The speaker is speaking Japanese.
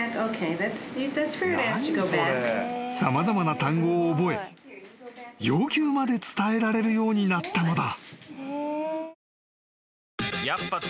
［様々な単語を覚え要求まで伝えられるようになったのだ］